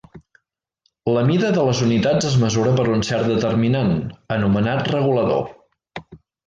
La mida de les unitats es mesura per un cert determinant, anomenat regulador.